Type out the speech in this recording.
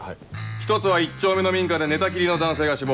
１つは１丁目の民家で寝たきりの男性が死亡。